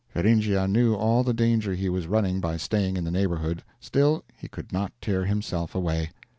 Feringhea knew all the danger he was running by staying in the neighborhood, still he could not tear himself away.